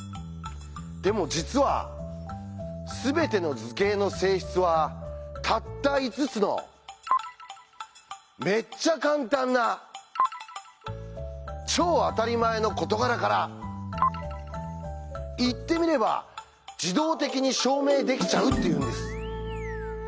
でも実は全ての図形の性質はたった５つのめっちゃカンタンな超あたりまえの事柄から言ってみれば自動的に証明できちゃうっていうんです。